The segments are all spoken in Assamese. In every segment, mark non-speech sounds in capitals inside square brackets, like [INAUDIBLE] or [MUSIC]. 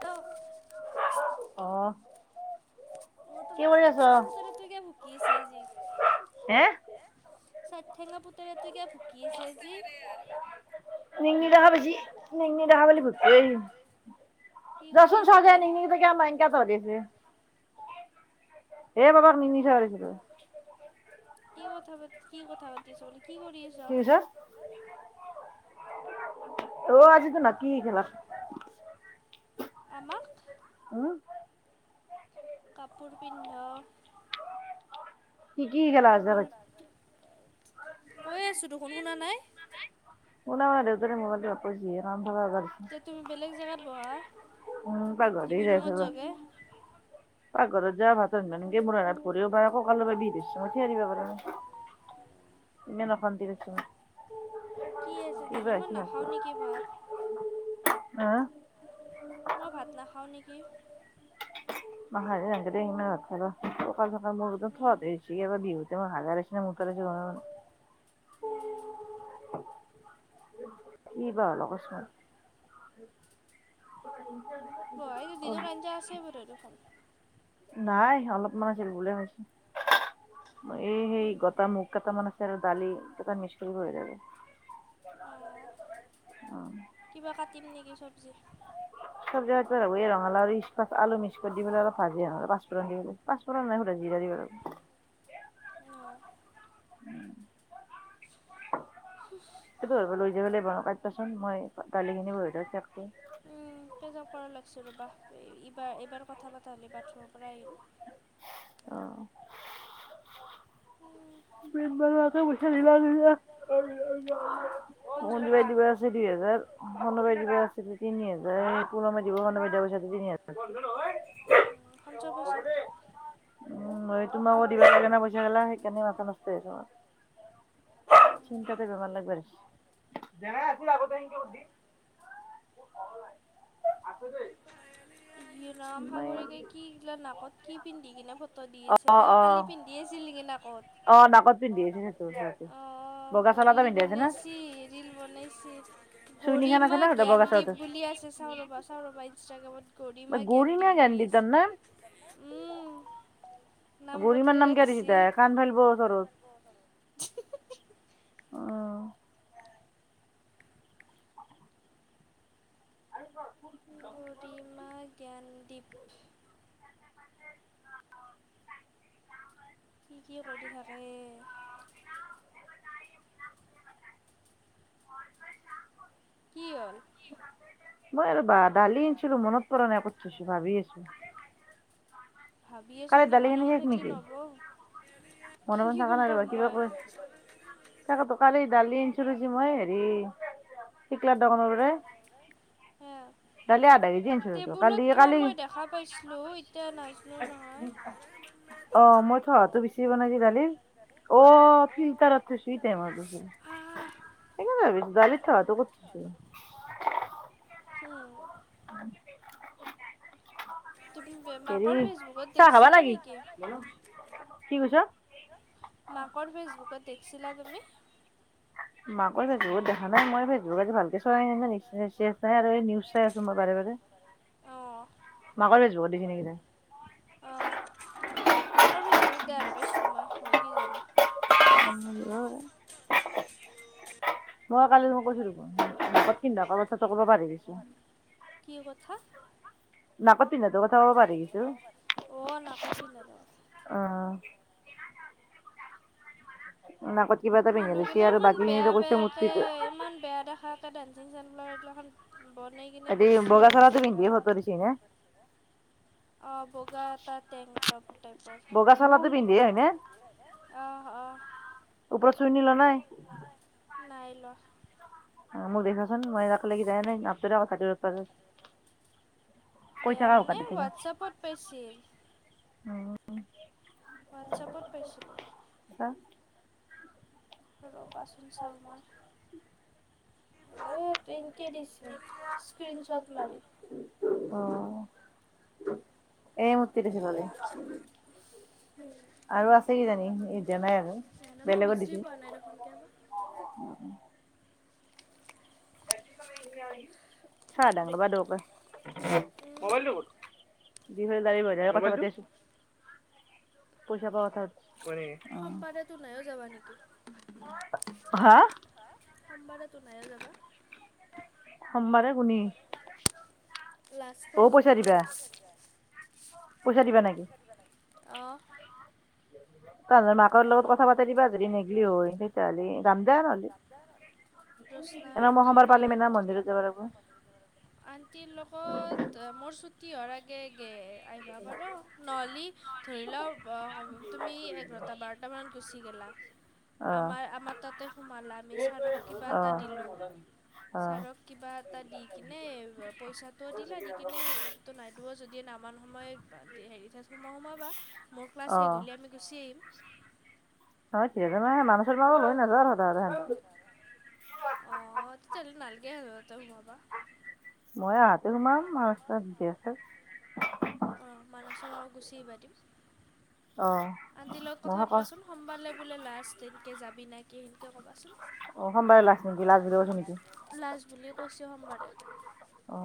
তই অ অ তোমাৰ চাই বতৰেতুৰে কিয় ভুকি আছে যি ঠেঙা পুতেৰেটো কিয় ভুকি আছে আজি নিংনি দেখা পাইছি নিংনি দেখা পালে ভুকে সি যা চোন চা গে নিংনি কি কথা পাতি কি কথা পাতি আছ বোলে কি কৰি আছ কি কৈছ অ আজিটো নাট কি খেলা আমাক অ কোৱা কাপোৰ পিন্ধ কি কি খেলা আছে কৈ আছো দেখোন শুনা নাই শুনা নাই দেউতাকে মোবাইলটো [UNINTELLIGIBLE] এতিয়া তুমি বেলেগ জেগাত বহা উম পাক ঘৰত যাই আছো ৰ পাকঘৰত যায় ভাত পানী বনাব [UNINTELLIGIBLE] ইমান অশান্তি পাইছো কি আছে দিনত মই নাখাও নেকি ভাত হা মই ভাত নাখাওঁ নেকি [UNINTELLIGIBLE] [UNINTELLIGIBLE] কি বা এনেকুৱা ছোৱালী [UNINTELLIGIBLE] হয় এইটো দিনৰ আঞ্জা আছেই বাৰু দেখোন নাই অলপমান আছিল মোলে হৈছে এই সেই গোটা মগু কেইটা আছে আৰু দালি এইকেইটা মিশ্ৰ কৰিলে হৈ যাব কিবা কাটিম নেকি চব্জি চব্জি কাটিব লাগিব এই ৰঙালাও আৰু ইস্ককচ আলু মিক্স কৰি দি পিনি অলপ ভাজি আহ আৰু পাচ পূৰন দি পাছ পূৰন নাই বাৰু জিৰা দিব লাগিব [UNINTELLIGIBLE] কেতিয়াবা এইটো লৈ যাব লাগিব কাটিবাচোন মই দালি খিনি প্ৰচাৱ কৰা লাগিছে ৰ' বা এইবাৰ এইবাৰ কথা পতা হ'লে বাথৰুমৰ পৰা আহিম অ পিছবেলাকে পইচা দিব লাগিব মই শনিবাৰে দিব লাগিব দুই হেজাৰ পুনমে দিব আছে তিনি হাজাৰ এই পুনমে দিব মানে গোটেই পইছা তিনি হাজাৰ ভৌক নকবা দেই মই তোমাকো দিব লাগে না পইচা গিলা সেইকাৰণে কিমান আছে তোমাৰ ভৌক চিন্তাতে বেমাৰ লাগিব ধৰিছে [UNINTELLIGIBLE] [UNINTELLIGIBLE] এ ৰাম সাগৰিকাই কি এইগিলা নাকত কি পিন্ধি কিনে ফটো দি আছে তাই কালি পিন্ধি পিন্ধি আছিল নেকি নাকত অ নাকত পিন্ধি আছিল [UNINTELLIGIBLE] অহ ৰিল বনাইছে ৰিল বনাইছে গৰিমা জ্ঞানদ্বীপ বুলি আছে চাওঁ ৰবা চাওঁ ৰবা ইনষ্টাগ্ৰামত গৰিমা জ্ঞানদ্বীপ বুলি আছে উম নাম বদলি ৰাখছি আৰু [UNINTELLIGIBLE] অ জ্ঞানদ্বীপ কি কি কৰি থাকে কি হ'ল মই আৰু বা দালি আনিছিলো মনত পৰা নাই কত থৈছো ভাবি আছো ভাবি আছোঁ এনেকে মনে মনে থাকিলে নহব কেনকে গম পাম মই তাকেতো কালি দালি আনিছিলো যে মই হেৰি টিকলাৰ দোকানৰ পৰাই দালি আধা কেজি আনিছিলোঁতো কালি কালি অ মই থোঙাটো বিচ [UNINTELLIGIBLE] যি দালি অ ফিল্টাৰত থৈছোঁ এতিয়াহে মনত পৰিছে [UNINTELLIGIBLE] দালি থোৱাটোতে থৈছো উম [INAUDIBLE] [INAUDIBLE] হেৰি চাহ খাবা লাগি কি কৈছ মাকৰ ফেচবুকত দেখিছিলা তুমি মাকৰ ফেচবুকত দেখা নাই মই ফেচবুকত ভালকে চোৱাই নাই নহয় [UNINTELLIGIBLE] ‌ এই নিউজ চাই আছো মই বাৰে বাৰে মাকৰ ফেচবুকত দিছে নেকি তাই অ' মাকৰ ফেচবুকত দেখাহেন পাইছিলোঁ মই হয় কিজানি হয় মই কালি ফোন কৰিছিলোঁতো, নাকত পিন্ধা [UNINTELLIGIBLE] দিছোঁ কি কথা নাকত পিন্ধাটোৰ কথাও [UNINTELLIGIBLE] অ' নাকত পিন্ধাটো অ' নাকত মানুহগিলা ইমান বেয়া বেয়াকে ইমান বেয়া দেখাকে ডেনন্সিং [UNINTELLIGIBLE] এই গিলাখন বনাই কিনে বেছিও আছে ভাই অ' বগা এটা টেংটপ টাইপৰ অ' অ' ওপৰত চুৰ্ণী লোৱা নাই নাই লোৱা অ' মোক দেখুৱা চোন মই একলাগি যায়াই নাই আপটুডে [UNINTELLIGIBLE] দিয়া মানে হোৱাটছাপত পাইছিল উম হোৱাটছএপত পাইছিলোঁ [INAUDIBLE] ৰ'বা চোন চাওঁ মই এই তিংকিয়ে দিছে স্ক্ৰীনশ্বট মাৰি [INAUDIBLE] আৰু আছে কিজানি এ মই বিচৰি পোৱা নাই দেখুন কিয় বা [INAUDIBLE] [INAUDIBLE] ম'বাইলটো ক'ত দিঘলদাৰি [UNINTELLIGIBLE] কথা পাতি আছোঁ পইচা পোৱা কথা সুধচে, কোনি সোমবাৰে তো নাইও যাবা নেকি হা সোমবাৰেতো নায়ে যাবা সোমবাৰে কোনি লাষ্ট ক্লাছ বোলে দেই অ। তৰ মাকৰ লগত কথা পাতাই দিবা যদি নেগলি হয় তেতিয়াহ'লে গাম দে নহ'লি। জোস্না বেৰি আণ্টি আণ্টিৰ লগত মোৰ ছুটি হোৱাৰ আগে আগে আইবা পাৰ নহ'লি ধৰি ল অ তুমি এগ ৰাত টা বাৰটা মানত গুচি গেলা। আমাৰ আমাৰ তাতে সোমালা আমি ছাৰক কিবা এটা দিলো। ছাৰক কিবা এটা দি কিনে পইচাটো দিলে দি কিনে টোত নাই দোৱ যদি নামান সময় বাদ দে হেৰি [UNINTELLIGIBLE] মোৰ ক্লাছ শেষ হ'লে আমি গুচি আহিম। হয় ঠিক আছে [UNINTELLIGIBLE] অ তেতিয়াহ'লে নালগে হঁতে সোমাবা। মই আহাতে সোমাম মস্তাত বিয়ে ছেব। অ মানুহ চানুহ আও গুচি আহিবা দিম। অ। আণ্টিৰ লগত কথা পাতিবাচোন সোমবালে বোলে লাষ্ট ডেড এনকে যাবি নাই কি সেনকে ক'বাচোন। লাজ বুলি কৈছে সোমবাৰে।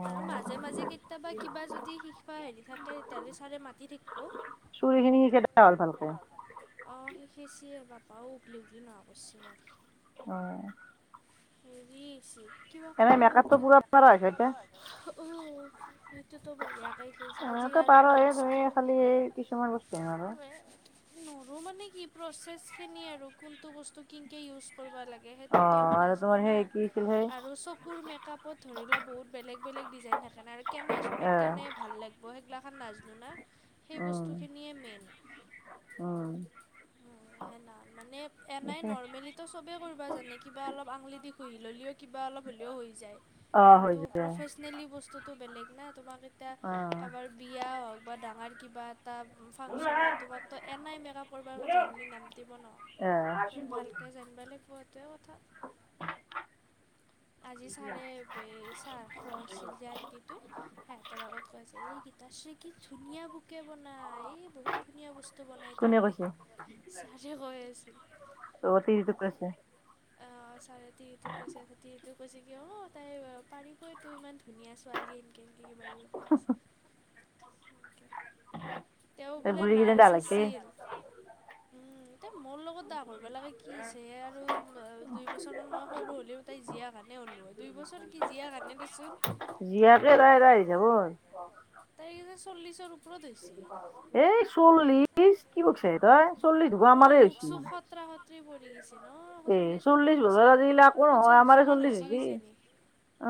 আৰু মাজে মাজে কেতিয়াবা কিবা যদি শিকব হেৰি থাকে তেতিয়াহ'লে ছাৰে মাতি থাক'ব। চুৰিখিনি খেদা অ শিকাইছে বাপাও উগলি উগলি না কৰছি মোক। হয়। হেৰিছে কিবা কবা ক খুজছিল [UNINTELLIGIBLE] অ। সেইটোতো বঢ়িয়াকৈ কেছ আজি আৰু নোটছ [UNINTELLIGIBLE] নৰো মানে কি প্ৰচেছখিনি আৰু কোনটো বস্তু কিংকে ইউজ কৰব লাগে সেইটোতো আমি নাজ হয় হে কি চি আৰু চকুৰ মেকআপত ধৰি লোৱা বহুত বেলেগ বেলেগ ডিজাইন থাকে না আৰু কেনাই চকুত কেনে ভাল লাগ ব হেই গিলাখন নাজনো না সেই বস্তুখিনিয়ে মেইন। সেনা মানে এনাই নৰ্মেলিটো চবে কৰিবা জানে কিবা অলপ আঙুলি দি খুলি ল'লেও কিবা অলপ হ'লেও হৈ যায় কিন্তু প্ৰফেছ নেলি বস্তুটো বেলেগ না তোমাক এতিয়া কাৰোবাৰ বিয়া হওঁক বা ডাঙৰ কিবা টা ফাংচনত তোমাক ত এনাই মেকআপ কৰিব জানলী নামটি ব ন। ভালকে জানিব লাগিব এইটোৱে কথা। আজি ছাৰে বে চাহ খুৱাছিল যে আন্টি তই সিহঁতৰ আগত কৈ আছে এই গীতাশ্ৰী কি ধুনীয়া বুকে বনাই, এই বহুত ধুনীয়া বস্তু বনাই। কোনে কৈছে? ছাৰে কৈ আছিল। অ তিৰিটোক কৈছে। এয়া ছাৰে তিৰিটোক কৈছে সেটি সেইটোক কৈছে কি অ তাই পাৰিবই তোৰ ইমান ধুনীয়া ছোৱালী এনকে। ধেৰ কিবা কিবি কৈ আছে। [UNINTELLIGIBLE] তেওঁ বোলে নাৰ্চ আছিল, উম এ মোৰ লগত দাগৰ বলাকে লাগে কি আছে আৰু দুই বছৰ মান মই সৰু হ'লেও তাই জীয়া কাৰণে হ'লো হয় দুই বছৰ কি জীয়া কাৰণে দেচোন। জীয়াকে ৰই ৰই আহি যাব। তাই কিজানি চল্লিশ ও এই চল্লিশ কি কৈছে তই চল্লিশ দেখুন আমাৰ হৈছি। পৰি গৈছে ন চল্লিশৰ বহুত বেছি আৰু পঞ্চাছ বছৰমানান হৈছে কিহ।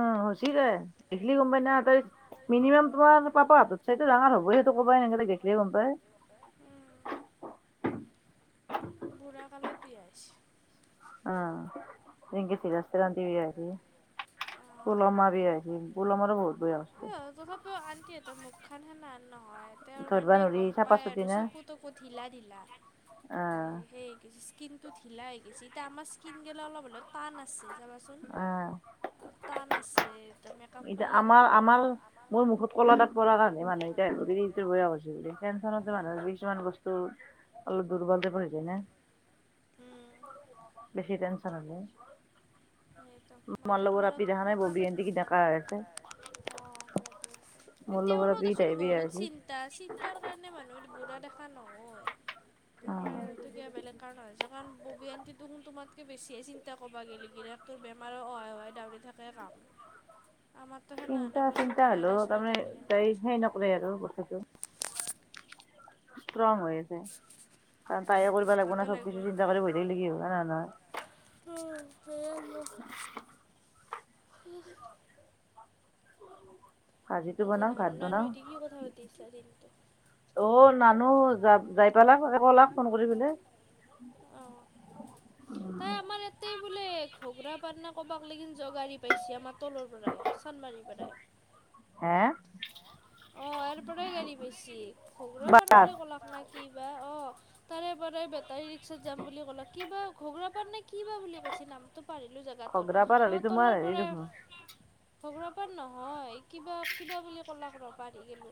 অঁ হৈচি ৰে, দেখলি গম পাই না। মিনিমাম তোমাৰ পাপা হতত চাইো ডাঙৰ হব সেইটো গম পায় এনেক গেখিলে গম পায়। বুঢ়া কালত বিয়া হৈছি। [INAUDIBLE] পুল মাৰি আহিম পুলম মৰা বহুত বেয়া। এ তথাপিও আন্তটিহঁতেৰ মুখ খান হে না হয় তেওঁ মানে গম পাই আৰু চকু তকু ঢিলা ঢিলা। এই সেই কিচ স্কিনটো ঢিলা হৈ গৈছে, এতিয়া আমাৰ স্কিন গিলা অলপ হ'লেও টান আছে চাবাচোন। টান আছে তাৰ মেকাপ কৰিলে গম আমাৰ মোৰ মুখত কলা দাগ পৰাৰ কাৰণে মানুহ এতিয়াৰি বেয়া হৈছে বুলি। টেনশ্যনতে মানুহে কিছুমান বস্তু অলপ দুৰ্বল তাইপৰ হৈ যায় না। বেছি টেনশ্যন হলে। সেইটো মই এতিয়া তোমা লগত কথা পাতি অঁ পুৰা দি আছে, তেতিয়াৰো দেচোন বহুত চি ন্তা চিন্তাৰ কাৰণে মানুহ বুঢ়া দেখা নহয়। তোমাৰ এইটো কিবা বেলেগ কাৰণ হৈছে কাৰণ ব নতী দেখোন তোমাত কৈ বেছিয়ে চিন্তা কবা গেলে। তোৰ বেমাৰৰ অহাই অহাই ডাউৰি থকাই কাম। আমাৰ তো সেনা নাই কৈ চিন্তা নাই দেচোন এতিয়া লৈকে। সেই নকৰে আৰু বস্তোটো। ষ্ট্ৰং হৈ আছে, কাৰণ তাই কৰিব লাগিব না চব কিছু চিন্তা কৰি বহি থাকিলে কি হয় না নহয়। [UNINTELLIGIBLE] ভাজিটো বনাই, ভাত বনাও। অ নানো, য যাই পালাকে কলাক ফোন কৰিবলে। অঁহ। তাই আমাৰ ইয়াতেই বোলে ঘগুৰা পাৰ নে কৰ'বাক লাগি কিন গাড়ী পাইছে আমাৰ তলৰ পৰাই। চনমাৰি পৰাই। হেঁ? অঁ এয়াৰ পৰাই গাড়ী বেছি ঘুগুৰা পাৰ বুলি ক'লাক নায় কি বা অঁ। তাৰে পৰাই বেটাৰী ৰিক্সাত যাম বুলি ক'লে কিবা ঘগুৰা পাট নে কিবা বুলি কৈছে নাম। ত পাৰিলো জেগাটোৰ, তাবা তলৰ পৰাই। ঘোগুৰা পাৰ নহয় কিবা কিবা বুলি ক'লা ৰ পাহৰি গেলোঁ।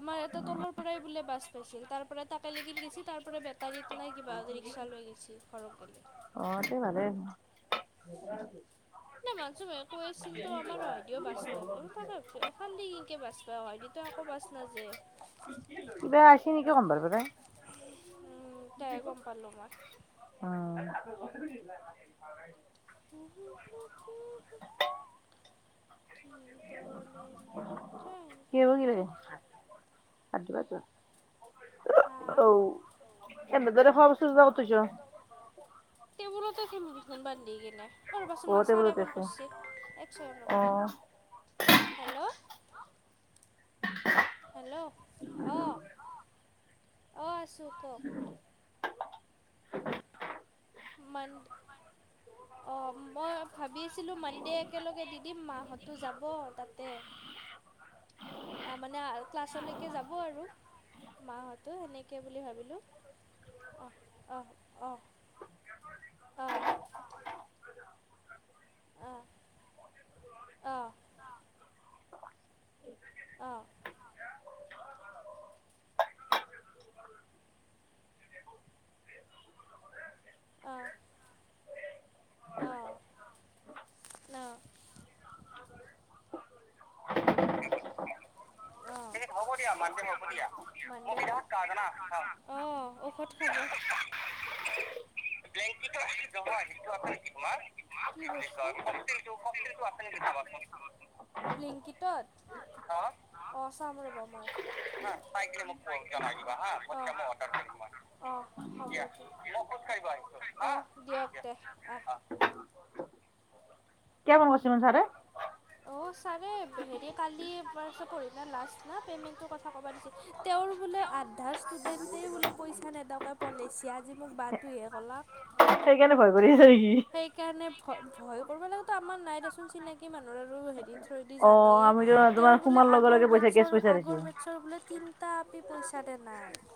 আমাৰ এটা তলৰ পৰাই বোলে বাছ পাইছিল, তাৰ পৰা তাকে লেগিন গেছি তাৰ পৰা বেটাৰী নাই কি বাৰ ৰিক্সা লৈ গৈছি ঘৰক গে'লে। অঁ তে ভালেই আঁহো। মানুছু মে কৈ ছিল তো আমাৰ হয় দিয় বাছ পায় বুলো তা ভাবছোঁ এফাল দি কে বাছ পায় অ আইদ। ত আকৌ বাছ নাযে। কিবা আছি নেকি কমপালপেৰাই। উম এতিয়া গম পালোঁ মই। উম। উহু হু হুও হু [UNINTELLIGIBLE] হক অও এ মাজ দে খোৱাবছ দুটা কত থৈছ। টেবুলতে থলো হোন বান্ধি কিনে। অ ৰ'বাচোন মা ছাৰে ফোন কৰিছে, এক ছেকেণ্ড ৰ'বা। হেল্লৌ হেল্লৌ' অ অ আছোঁ কওঁক। মান [INAUDIBLE] অ মই ভাবি আছিলো মানডে একেলগে দি দিম মাহঁতো যাব তাতে। আ মানে আ ক্লাছলৈকে যাব আৰু মাহঁতো সেনেকে বুলি ভাবিলোঁ। অঁহ অঁহ অঁহ অঁহ। অঁহ অঁ। অ। অ অহ ন। [UNINTELLIGIBLE] অ এ হ'ব দিয়া মানডে হ'ব দিয়া। মানদেত মোৰ [UNINTELLIGIBLE] জানা হা অ ঔষধ খাব ব্লেংকিটো নহয় সিটো আছে নেকি তোমাৰ? কি বুলি কয় ককচিলটো ককচিলটো আছে নেকি চাবাচোন। ব্লিংকটত? অ, অ চাম ৰ'বা মই। চাই কিনে মোক প জনায় দিবা হা, অ পদকে ময় অৰ্ডাৰ কৰিম। মই অ হ'ব দে। দিয়া মই খোজ কাঢ়িব আই আহ দিয়ক দে আঁহ। কিয় কৰিছিল কছিল ন ছাৰে। অ ছাৰে, হেৰি কালি পঢ়ছ পহিলে লাষ্ট না পেমেণ্টো কথা ক'ব দিছে তেওঁৰ বোলে আধা ষ্টুডেণ্টেই বোলে পইচা নেদকৈই পলাইচি। আজি মোক বাহটোইহে কলাক। সেইকাৰণে ভয় কৰি আছে নেকি। সেই কাণে ভয় ভয় কৰিব লাগাতো আমাৰ নাই দেচোন চিনাকি মানুহৰ আৰু হেৰি থ্ৰোৱেদি জানেইয়ে। তেওঁৰ বোলে আগৰ বেটছৰ আগৰ বেটছৰ বোলে তিনিটা পইচাতে দিয়া নাই।